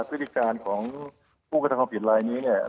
พฤติการของผู้กระทำความผิดลายนี้เนี่ย